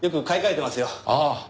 ああ！